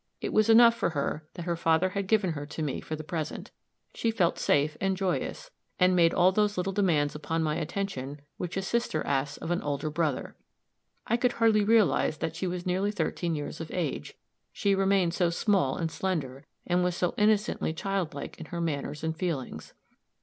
It was enough for her that her father had given her to me for the present; she felt safe and joyous, and made all those little demands upon my attention which a sister asks of an older brother. I could hardly realize that she was nearly thirteen years of age, she remained so small and slender, and was so innocently childlike in her manners and feelings.